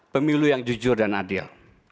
pemilu yang jujur dan adil